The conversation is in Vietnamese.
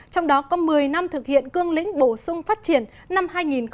trong đó có một mươi năm thực hiện cương lĩnh bổ sung phát triển năm hai nghìn một mươi một